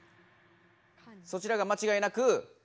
そちらがまちがいなく。